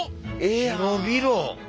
広々。